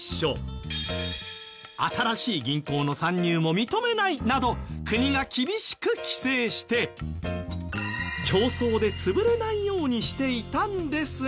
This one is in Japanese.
新しい銀行の参入も認めないなど国が厳しく規制して競争で潰れないようにしていたんですが。